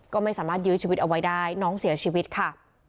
ก็ไม่สามารถยื้อชีวิตเอาไว้ได้น้องเสียชีวิตค่ะ